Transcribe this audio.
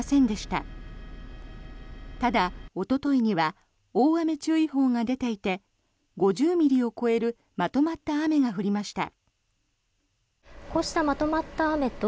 ただ、おとといには大雨注意報が出ていて５０ミリを超えるまとまった雨が降りました。